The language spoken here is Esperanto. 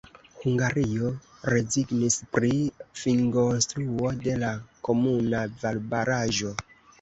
Hungario rezignis pri finkonstruo de la komuna valbaraĵo.